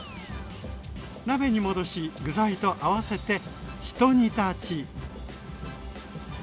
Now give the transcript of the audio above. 鍋に戻し具材と合わせてひと煮立ち。